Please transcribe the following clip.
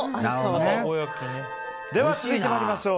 では続いて参りましょう。